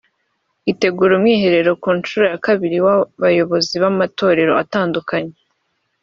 itegura umwiherero ku nshuro ya kabiri w’abayobozi b’amatorero atandukanye